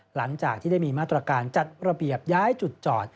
หลังจากที่ได้มีมาตรการจัดระเบียบย้ายจุดจอด